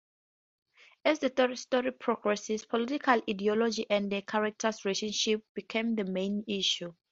As the story progresses, political ideology and the characters' relationships become the main issues.